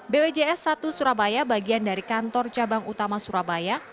bpjs satu surabaya bagian dari kantor cabang utama surabaya